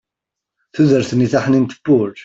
tudert-nni taḥnint n wul